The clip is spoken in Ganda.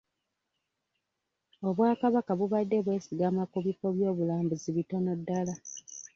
Obwakabaka bubadde bwesigama ku bifo by'obulambuzi bitono ddala.